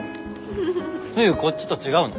つゆこっちと違うの？